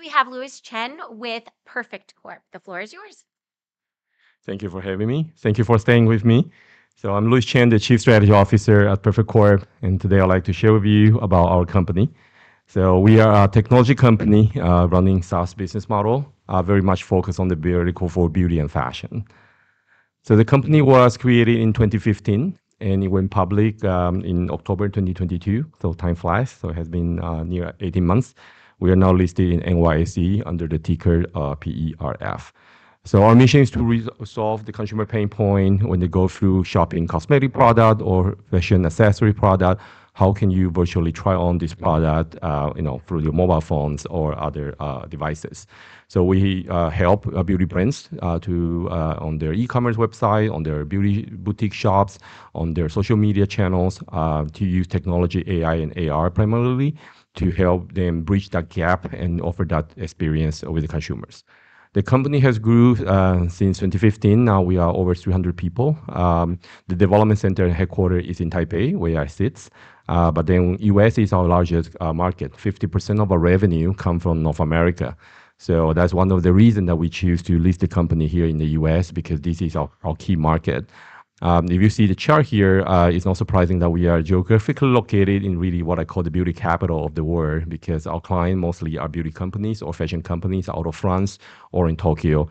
We have Louis Chen with Perfect Corp. The floor is yours. Thank you for having me. Thank you for staying with me. I'm Louis Chen, the Chief Strategy Officer at Perfect Corp., and today I'd like to share with you about our company. We are a technology company running a SaaS business model, very much focused on the vertical for beauty and fashion. The company was created in 2015, and it went public in October 2022, so time flies. It has been near 18 months. We are now listed in NYSE under the ticker PERF. Our mission is to resolve the consumer pain point when they go through shopping cosmetic products or fashion accessory products: how can you virtually try on this product through your mobile phones or other devices? So we help beauty brands on their e-commerce website, on their beauty boutique shops, on their social media channels to use technology, AI, and AR primarily to help them bridge that gap and offer that experience over to consumers. The company has grown since 2015. Now we are over 300 people. The development center headquarters is in Taipei, where I sit. But then the U.S. is our largest market. 50% of our revenue comes from North America. So that's one of the reasons that we choose to list the company here in the U.S., because this is our key market. If you see the chart here, it's not surprising that we are geographically located in really what I call the beauty capital of the world, because our clients mostly are beauty companies or fashion companies out of France or in Tokyo.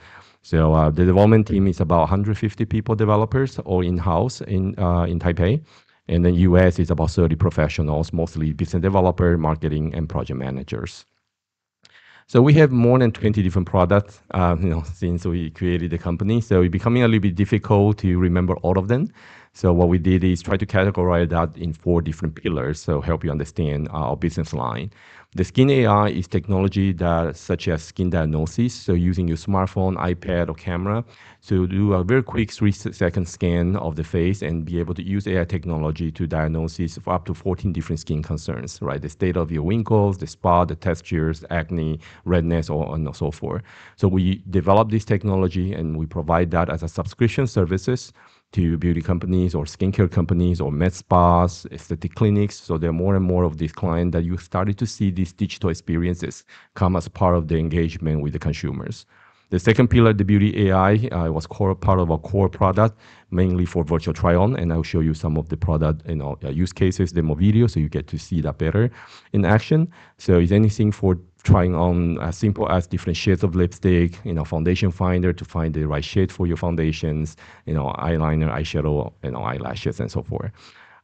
The development team is about 150 people, developers, all in-house in Taipei. Then the U.S. is about 30 professionals, mostly business developers, marketing, and project managers. We have more than 20 different products since we created the company, so it's becoming a little bit difficult to remember all of them. What we did is try to categorize that in four different pillars to help you understand our business line. The Skin AI is technology such as skin diagnosis, so using your smartphone, iPad, or camera to do a very quick three-second scan of the face and be able to use AI technology to diagnose up to 14 different skin concerns, right? The state of your wrinkles, the spot, the textures, acne, redness, and so forth. So we developed this technology, and we provide that as a subscription service to beauty companies or skincare companies or med spas, aesthetic clinics. So there are more and more of these clients that you started to see these digital experiences come as part of their engagement with the consumers. The second pillar, the Beauty AI, was part of our core product, mainly for virtual try-on, and I'll show you some of the product use cases, demo videos, so you get to see that better in action. So if anything, for trying on as simple as different shades of lipstick, Foundation Finder to find the right shade for your foundations, eyeliner, eyeshadow, eyelashes, and so forth.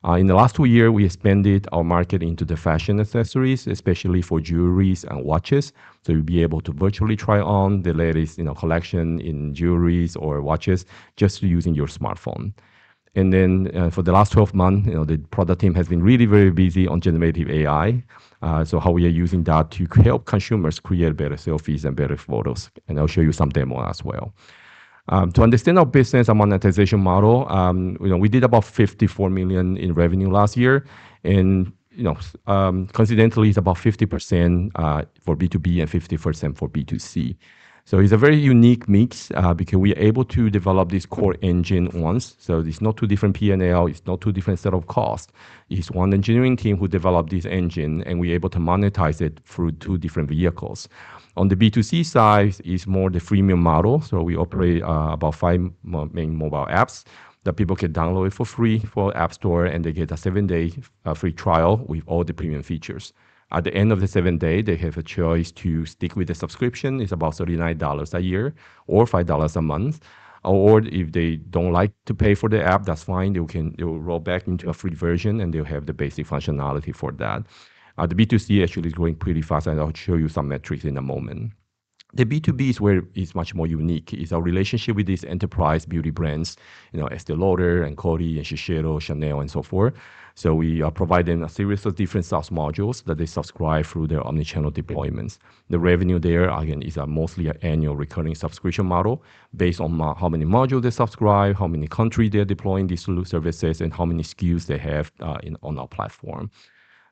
In the last two years, we expanded our market into the fashion accessories, especially for jewelries and watches, so you'll be able to virtually try on the latest collection in jewelries or watches just using your smartphone. Then for the last 12 months, the product team has been really, very busy on Generative AI, so how we are using that to help consumers create better selfies and better photos. And I'll show you some demo as well. To understand our business and monetization model, we did about $54 million in revenue last year. And coincidentally, it's about 50% for B2B and 50% for B2C. So it's a very unique mix because we are able to develop this core engine once. So it's not two different P&L. It's not two different sets of costs. It's one engineering team who developed this engine, and we're able to monetize it through two different vehicles. On the B2C side, it's more the freemium model. So we operate about five main mobile apps that people can download for free from the App Store, and they get a seven-day free trial with all the premium features. At the end of the seven days, they have a choice to stick with the subscription. It's about $39 a year or $5 a month. Or if they don't like to pay for the app, that's fine. They'll roll back into a free version, and they'll have the basic functionality for that. The B2C actually is going pretty fast, and I'll show you some metrics in a moment. The B2B is where it's much more unique. It's our relationship with these enterprise beauty brands: Estée Lauder, Coty, Shiseido, Chanel, and so forth. So we provide them a series of different SaaS modules that they subscribe through their omnichannel deployments. The revenue there, again, is mostly an annual recurring subscription model based on how many modules they subscribe, how many countries they are deploying these services, and how many SKUs they have on our platform.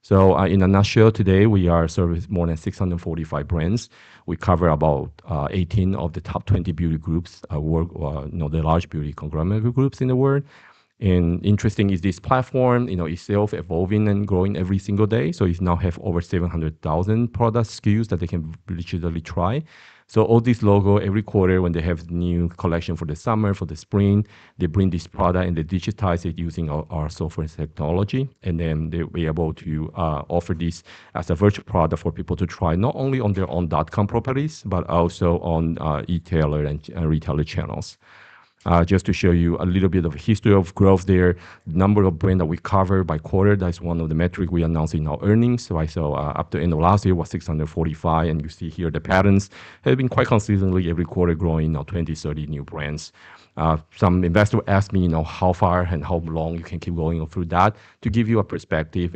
So in a nutshell, today we service more than 645 brands. We cover about 18 of the top 20 beauty groups, the large beauty conglomerate groups in the world. And interestingly, this platform itself is evolving and growing every single day. So it now has over 700,000 product SKUs that they can digitally try. So all these logos, every quarter, when they have a new collection for the summer, for the spring, they bring this product and they digitize it using our software and technology. And then they'll be able to offer this as a virtual product for people to try, not only on their own dot-com properties but also on retailer channels. Just to show you a little bit of the history of growth there, the number of brands that we cover by quarter, that's one of the metrics we announced in our earnings. So up to the end of last year, it was 645. And you see here the patterns. It has been quite consistently every quarter growing 20, 30 new brands. Some investors asked me how far and how long you can keep going through that to give you a perspective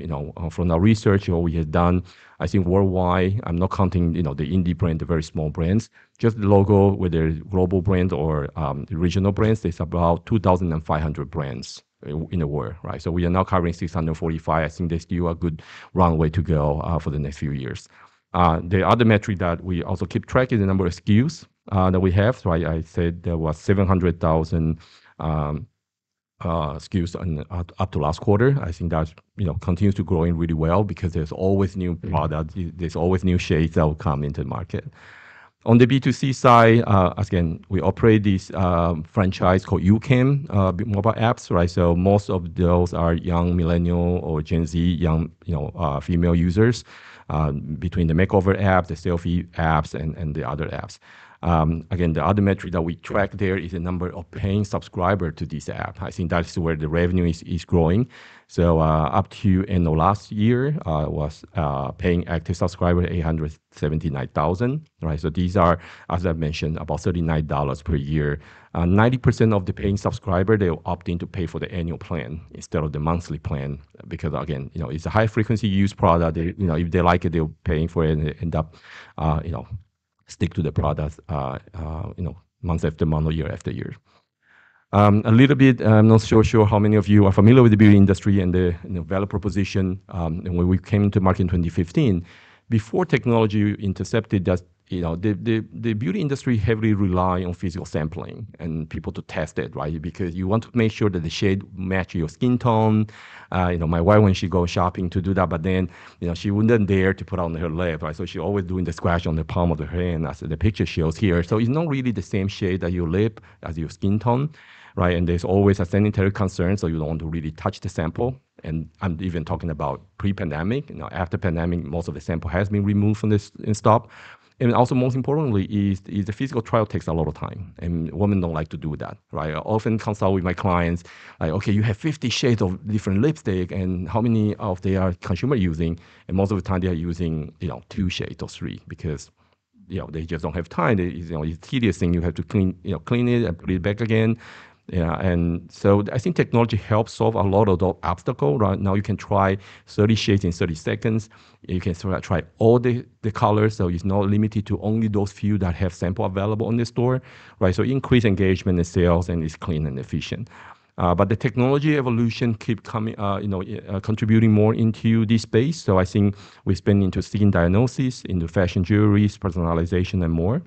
from our research, what we have done. I think worldwide, I'm not counting the indie brands, the very small brands, just the logo, whether global brands or regional brands, there's about 2,500 brands in the world, right? So we are now covering 645. I think there's still a good runway to go for the next few years. The other metric that we also keep track is the number of SKUs that we have. So I said there were 700,000 SKUs up to last quarter. I think that continues to grow really well because there's always new products. There's always new shades that will come into the market. On the B2C side, again, we operate this franchise called YouCam mobile apps, right? So most of those are young millennials or Gen Z, young female users between the makeover apps, the selfie apps, and the other apps. Again, the other metric that we track there is the number of paying subscribers to this app. I think that's where the revenue is growing. So up to the end of last year, it was paying active subscribers 879,000, right? So these are, as I mentioned, about $39 per year. 90% of the paying subscribers, they opt in to pay for the annual plan instead of the monthly plan because, again, it's a high-frequency-used product. If they like it, they'll pay for it and end up sticking to the product month after month or year after year. A little bit, I'm not so sure how many of you are familiar with the beauty industry and the value proposition. When we came into the market in 2015, before technology intercepted that, the beauty industry heavily relied on physical sampling and people to test it, right? Because you want to make sure that the shade matches your skin tone. My wife, when she goes shopping, does that, but then she wouldn't dare to put it on her lip, right? So she's always doing the scratch on the palm of her hand, as the picture shows here. So it's not really the same shade on your lip as your skin tone, right? And there's always sanitary concerns, so you don't want to really touch the sample. And I'm even talking about pre-pandemic. After pandemic, most of the sample has been removed from this and stuff. And also, most importantly, the physical trial takes a lot of time. And women don't like to do that, right? I often consult with my clients, like, "OK, you have 50 shades of different lipstick. And how many of them are consumers using?" And most of the time, they are using two shades or three because they just don't have time. It's the tedious thing. You have to clean it and put it back again. I think technology helps solve a lot of those obstacles. Right now, you can try 30 shades in 30 seconds. You can try all the colors. So it's not limited to only those few that have samples available in the store, right? So it increases engagement and sales, and it's clean and efficient. But the technology evolution keeps contributing more into this space. So I think we're spending more on skin diagnosis, on fashion jewelries, personalization, and more.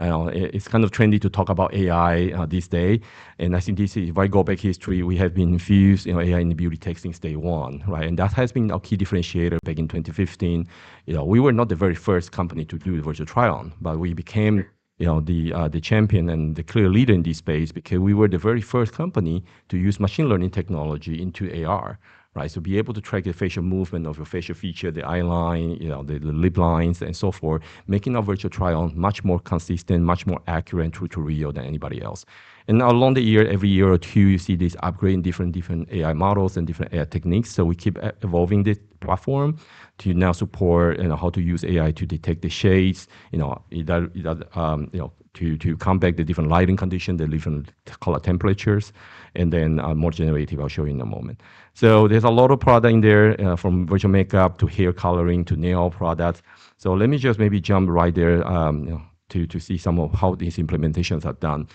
It's kind of trendy to talk about AI these days. And I think this is, if I go back in history, we have been infused AI in the beauty tech since day one, right? And that has been our key differentiator back in 2015. We were not the very first company to do the virtual try-on, but we became the champion and the clear leader in this space because we were the very first company to use machine learning technology into AR, right? So be able to track the facial movement of your facial feature, the eyeline, the lip lines, and so forth, making our virtual try-on much more consistent, much more accurate, and true-to-real than anybody else. And now, along the year, every year or two, you see this upgrade in different AI models and different AI techniques. So we keep evolving this platform to now support how to use AI to detect the shades, to combat the different lighting conditions, the different color temperatures. And then more generative, I'll show you in a moment. So there's a lot of products in there, from virtual makeup to hair coloring to nail products. So let me just maybe jump right there to see some of how these implementations are done.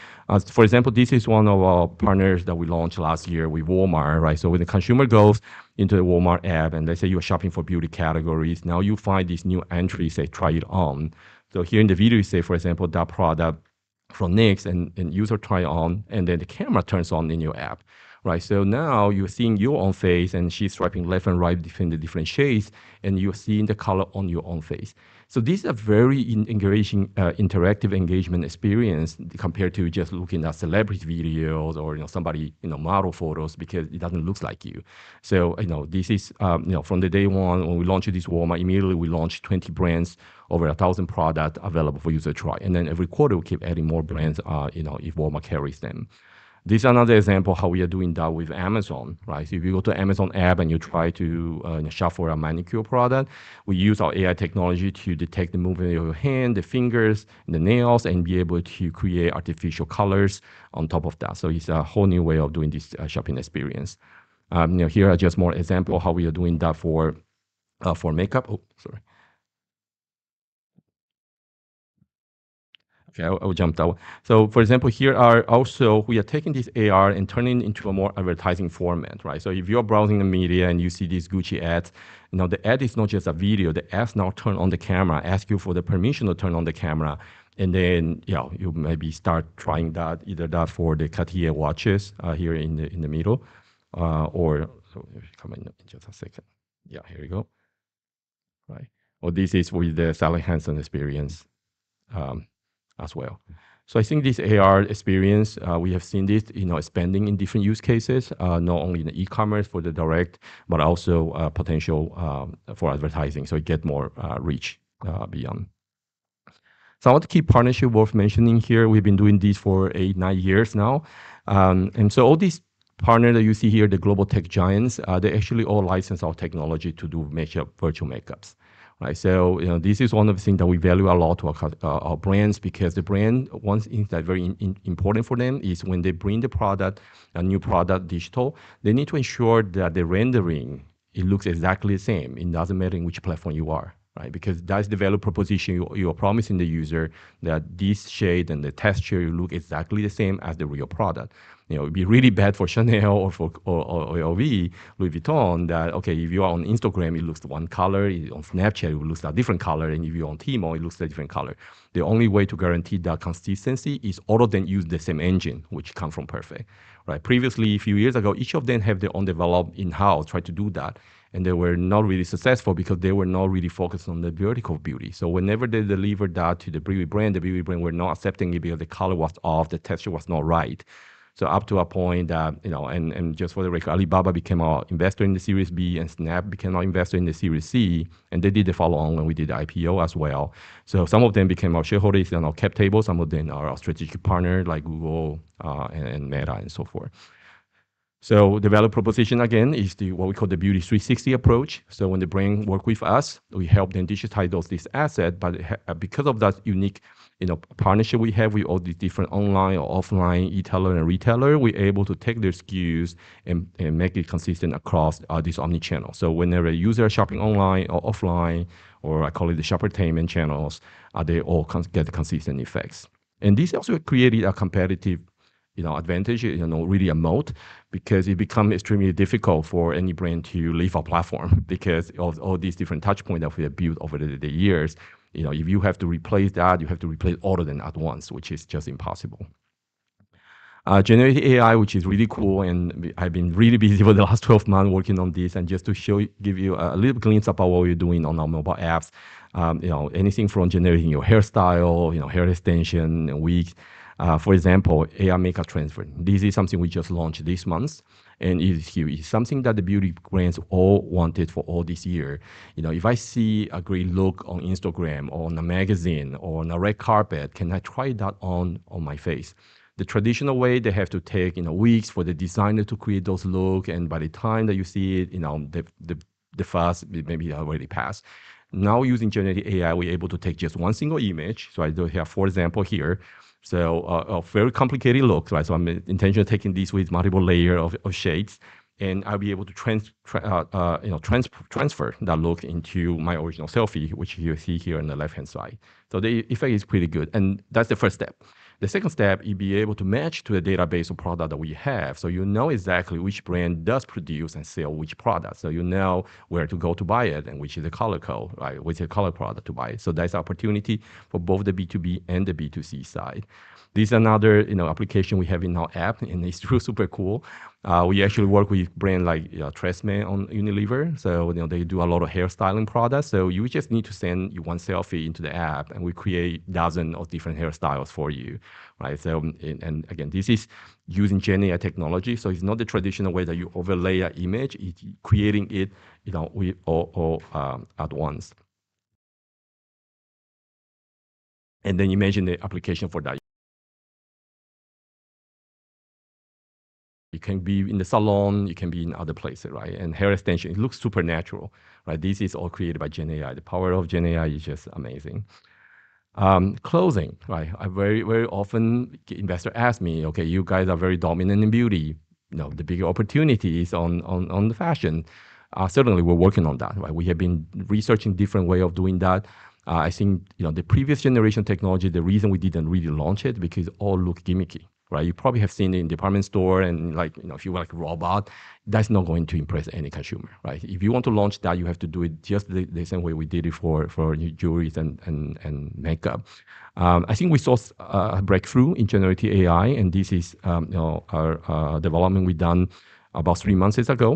For example, this is one of our partners that we launched last year with Walmart, right? So when the consumer goes into the Walmart app and they say, "You're shopping for beauty categories," now you find this new entry, say, "Try it on." So here in the video, you see, for example, that product from NYX, and you sort of try it on, and then the camera turns on in your app, right? So now you're seeing your own face, and she's swiping left and right between the different shades, and you're seeing the color on your own face. So this is a very interactive engagement experience compared to just looking at celebrity videos or somebody's model photos because it doesn't look like you. So this is from day one. When we launched this Walmart, immediately we launched 20 brands, over 1,000 products available for you to try. Then every quarter, we keep adding more brands if Walmart carries them. This is another example of how we are doing that with Amazon, right? If you go to the Amazon app and you try to shop for a manicure product, we use our AI technology to detect the movement of your hand, the fingers, and the nails, and be able to create artificial colors on top of that. It's a whole new way of doing this shopping experience. Here are just more examples of how we are doing that for makeup. Oh, sorry. OK, I'll jump that one. For example, here are also we are taking this AR and turning it into a more advertising format, right? So if you're browsing the media and you see these Gucci ads, the ad is not just a video. The ads now turn on the camera, ask you for the permission to turn on the camera. And then you maybe start trying either that for the Cartier watches here in the middle. Or if you come in just a second. Yeah, here we go. Right? Or this is with the Sally Hansen experience as well. So I think this AR experience, we have seen this expanding in different use cases, not only in e-commerce for the direct but also potentially for advertising. So you get more reach beyond. So I want to key partnerships worth mentioning here. We've been doing this for 8, 9 years now. And so all these partners that you see here, the global tech giants, they actually all license our technology to do virtual makeups, right? So this is one of the things that we value a lot to our brands because the brand, one thing that's very important for them is when they bring a new product digital, they need to ensure that the rendering looks exactly the same. It doesn't matter in which platform you are, right? Because that's the value proposition. You're promising the user that this shade and the texture look exactly the same as the real product. It'd be really bad for Chanel or for Louis Vuitton that, OK, if you are on Instagram, it looks one color. On Snapchat, it looks a different color. And if you're on Temu, it looks a different color. The only way to guarantee that consistency is all of them use the same engine, which comes from Perfect, right? Previously, a few years ago, each of them had their own development in-house, tried to do that. They were not really successful because they were not really focused on the vertical beauty. Whenever they delivered that to the beauty brand, the beauty brand was not accepting it because the color was off. The texture was not right. Up to a point, that, and just for the record, Alibaba became our investor in the Series B, and Snap became our investor in the Series C. They did the follow-on when we did the IPO as well. Some of them became our shareholders in our cap table. Some of them are our strategic partners like Google and Meta and so forth. The value proposition, again, is what we call the Beauty 360 approach. When the brand works with us, we help them digitize this asset. But because of that unique partnership we have with all these different online or offline retailers, we're able to take their SKUs and make it consistent across this omnichannel. So whenever a user is shopping online or offline, or I call it the shoppertainment channels, they all get consistent effects. And this also created a competitive advantage, really a moat, because it becomes extremely difficult for any brand to leave our platform because of all these different touchpoints that we have built over the years. If you have to replace that, you have to replace all of them at once, which is just impossible. Generative AI, which is really cool, and I've been really busy over the last 12 months working on this. Just to give you a little glimpse about what we're doing on our mobile apps, anything from generating your hairstyle, hair extension, and wigs, for example, AI makeup transfer. This is something we just launched this month. It's something that the beauty brands all wanted for all this year. If I see a great look on Instagram or on a magazine or on a red carpet, can I try that on my face? The traditional way, they have to take weeks for the designer to create those looks. By the time that you see it, the fast maybe already passed. Now, using generative AI, we're able to take just 1 single image. So I do have 4 examples here. So a very complicated look, right? So I'm intentionally taking this with multiple layers of shades. And I'll be able to transfer that look into my original selfie, which you see here on the left-hand side. So the effect is pretty good. And that's the first step. The second step, you'd be able to match to the database of products that we have. So you know exactly which brand does produce and sell which products. So you know where to go to buy it and which is the color code, which is the color product to buy. So that's an opportunity for both the B2B and the B2C side. This is another application we have in our app. And it's really super cool. We actually work with brands like TRESemmé on Unilever. So they do a lot of hairstyling products. So you just need to send one selfie into the app, and we create dozens of different hairstyles for you, right? Again, this is using generative technology. So it's not the traditional way that you overlay an image. It's creating it at once. Then imagine the application for that. You can be in the salon. You can be in other places, right? And hair extension, it looks super natural, right? This is all created by Gen AI. The power of Gen AI is just amazing. Clothing, right? Very, very often, investors ask me, "OK, you guys are very dominant in beauty. The bigger opportunity is on the fashion." Certainly, we're working on that, right? We have been researching different ways of doing that. I think the previous generation technology, the reason we didn't really launch it is because it all looked gimmicky, right? You probably have seen it in the department store. If you were like a robot, that's not going to impress any consumer, right? If you want to launch that, you have to do it just the same way we did it for jewelry and makeup. I think we saw a breakthrough in generative AI. This is our development we've done about three months ago,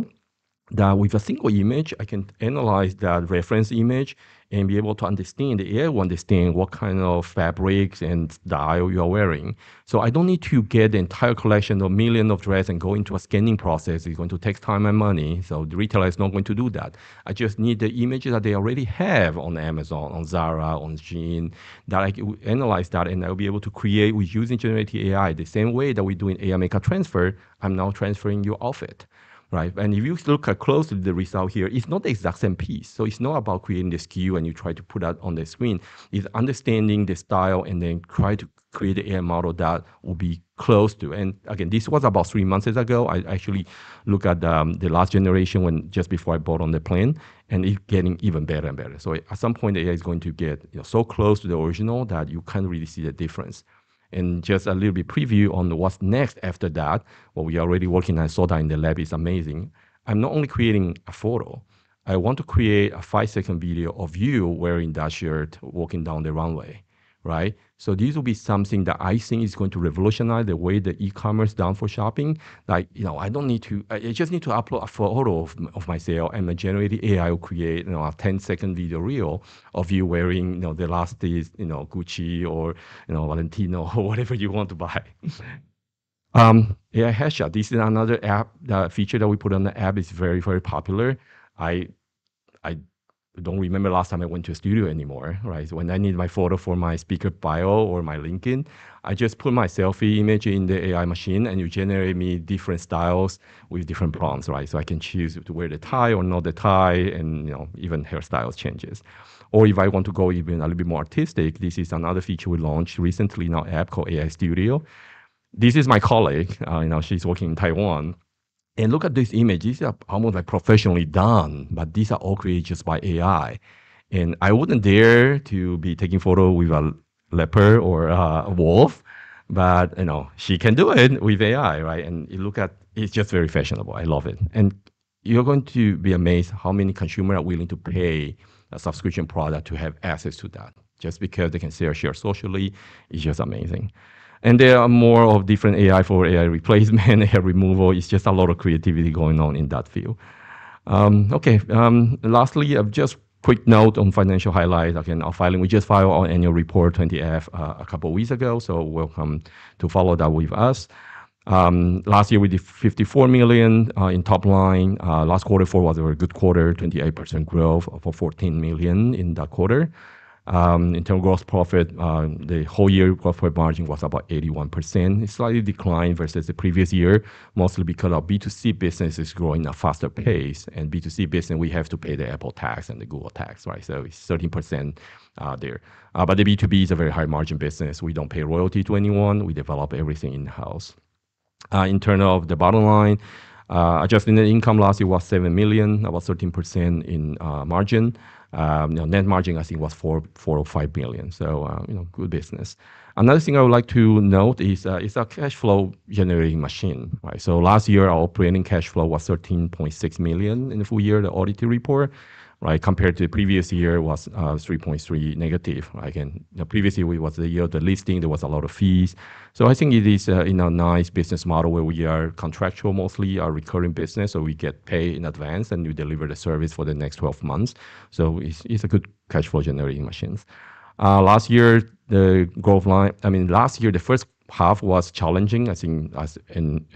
that with a single image, I can analyze that reference image and be able to understand, the AI will understand, what kind of fabrics and style you are wearing. So I don't need to get the entire collection of millions of dresses and go into a scanning process. It's going to take time and money. So the retailer is not going to do that. I just need the images that they already have on Amazon, on Zara, on Shein, that I can analyze that. And I'll be able to create, using generative AI, the same way that we're doing AI makeup transfer. I'm now transferring your outfit, right? If you look closely at the result here, it's not the exact same piece. It's not about creating the SKU and you try to put that on the screen. It's understanding the style and then trying to create an AI model that will be close to. Again, this was about 3 months ago. I actually looked at the last generation just before I bought on the plane. It's getting even better and better. At some point, the AI is going to get so close to the original that you can't really see the difference. Just a little bit preview on what's next after that, what we are already working on, I saw that in the lab. It's amazing. I'm not only creating a photo. I want to create a 5-second video of you wearing that shirt, walking down the runway, right? So this will be something that I think is going to revolutionize the way that e-commerce is done for shopping. I don't need to—I just need to upload a photo of myself. And my generative AI will create a 10-second video reel of you wearing the latest Gucci or Valentino or whatever you want to buy. AI Headshot, this is another feature that we put on the app. It's very, very popular. I don't remember the last time I went to a studio anymore, right? So when I need my photo for my speaker bio or my LinkedIn, I just put my selfie image in the AI machine. And it generates me different styles with different prompts, right? So I can choose to wear the tie or not the tie. And even hairstyles change. If I want to go even a little bit more artistic, this is another feature we launched recently in our app called AI Studio. This is my colleague. She's working in Taiwan. Look at these images. These are almost like professionally done. But these are all created just by AI. I wouldn't dare to be taking a photo with a leopard or a wolf. But she can do it with AI, right? It looks like it's just very fashionable. I love it. You're going to be amazed how many consumers are willing to pay a subscription product to have access to that just because they can share socially. It's just amazing. There are more different AI for AI replacement, AI removal. It's just a lot of creativity going on in that field. OK, lastly, just a quick note on financial highlights. Again, we just filed our annual report, 20-F, a couple of weeks ago. So welcome to follow that with us. Last year, we did $54 million in top line. Last quarter four was a very good quarter, 28% growth for $14 million in that quarter. In terms of gross profit, the whole year gross profit margin was about 81%. It slightly declined versus the previous year, mostly because our B2C business is growing at a faster pace. B2C business, we have to pay the Apple tax and the Google tax, right? So it's 13% there. But the B2B is a very high-margin business. We don't pay royalty to anyone. We develop everything in-house. In terms of the bottom line, adjusting the income last year was $7 million, about 13% in margin. Net margin, I think, was $4 or $5 million. So good business. Another thing I would like to note is our cash flow generating machine, right? So last year, our operating cash flow was $13.6 million in the full year, the audit report, right? Compared to the previous year, it was -$3.3 million, right? And previously, it was the year of the listing. There were a lot of fees. So I think it is a nice business model where we are contractual mostly, our recurring business. So we get paid in advance. And we deliver the service for the next 12 months. So it's a good cash flow generating machine. Last year, the growth line I mean, last year, the first half was challenging. I think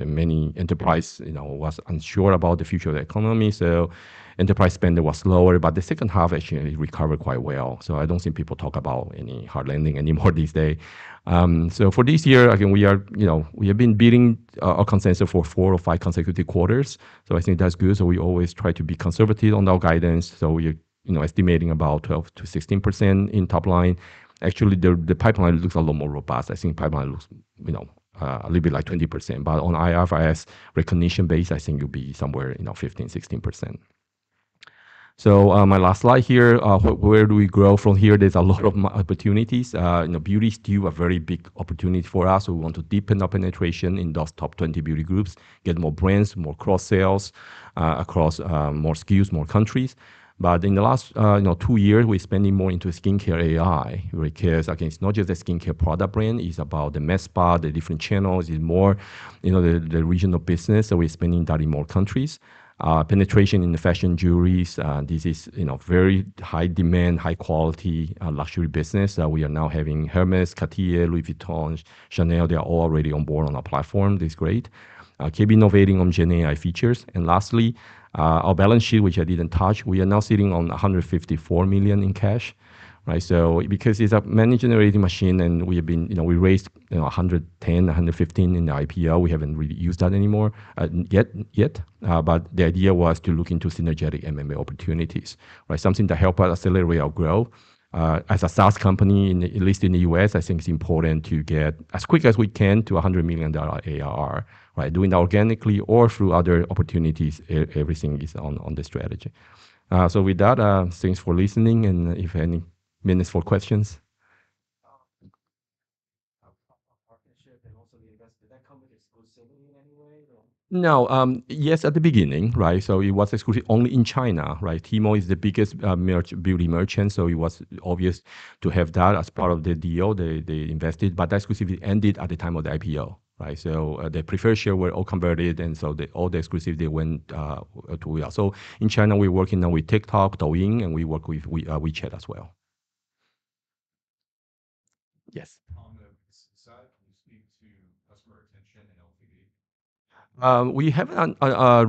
many enterprises were unsure about the future of the economy. So enterprise spending was lower. But the second half actually recovered quite well. So I don't see people talking about any hard landing anymore these days. So for this year, again, we have been beating our consensus for four or five consecutive quarters. So I think that's good. So we always try to be conservative on our guidance. So we are estimating about 12%-16% in top line. Actually, the pipeline looks a lot more robust. I think the pipeline looks a little bit like 20%. But on IFRS recognition base, I think it would be somewhere in our 15%-16%. So my last slide here, where do we grow from here? There's a lot of opportunities. Beauty SKUs are a very big opportunity for us. So we want to deepen our penetration in those top 20 beauty groups, get more brands, more cross-sales across more SKUs, more countries. But in the last two years, we're spending more into skincare AI because, again, it's not just a skincare product brand. It's about the masstige, the different channels. It's more the regional business. So we're spending that in more countries. Penetration in the fashion jewelries, this is very high demand, high-quality luxury business that we are now having Hermès, Cartier, Louis Vuitton, Chanel. They are all already on board on our platform. This is great. Keep innovating on Gen AI features. And lastly, our balance sheet, which I didn't touch, we are now sitting on $154 million in cash, right? So because it's a money-generating machine, and we have, we raised $110 million to $115 million in the IPO. We haven't really used that any more yet. But the idea was to look into synergistic M&A opportunities, right? Something to help us accelerate our growth. As a SaaS company, at least in the US, I think it's important to get as quick as we can to $100 million ARR, right? Doing that organically or through other opportunities. Everything is on the strategy. So with that, thanks for listening. And if any minutes for questions. Partnership and also the investors, did that come with exclusivity in any way? No. Yes, at the beginning, right? So it was exclusive only in China, right? Tmall is the biggest beauty merchant. So it was obvious to have that as part of the deal. They invested. But that exclusivity ended at the time of the IPO, right? So the preferred share were all converted. And so all the exclusivity went to us. So in China, we're working now with TikTok, Douyin. And we work with WeChat as well. Yes. Tom, the B2C side, can you speak to customer retention and LTV? We haven't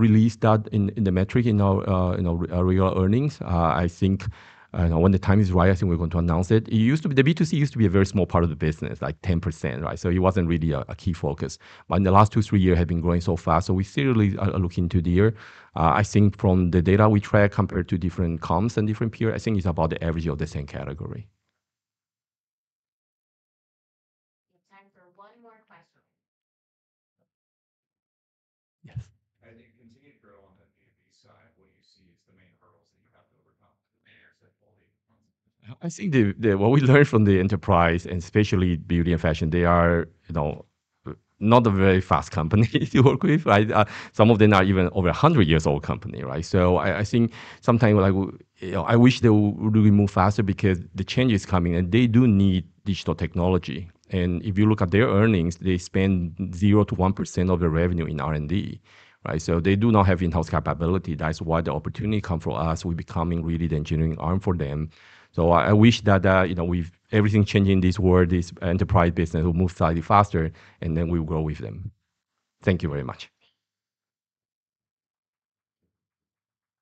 released that in the metric, in our regular earnings. I think when the time is right, I think we're going to announce it. The B2C used to be a very small part of the business, like 10%, right? So it wasn't really a key focus. But in the last 2 to 3 years, it has been growing so fast. So we're seriously looking into the year. I think from the data we track compared to different comps and different peers, I think it's about the average of the same category. We have time for one more question. Yes. As you continue to grow on the B2B side, what do you see as the main hurdles that you have to overcome to manage that quality? I think what we learned from the enterprise, and especially beauty and fashion, they are not a very fast company to work with, right? Some of them are even over 100 years old companies, right? So I think sometimes I wish they would really move faster because the change is coming. And they do need digital technology. And if you look at their earnings, they spend 0% to 1% of their revenue in R&D, right? So they do not have in-house capability. That's why the opportunity comes for us. We're becoming really the engineering arm for them. So I wish that everything changing in this world, this enterprise business, will move slightly faster. And then we will grow with them. Thank you very much.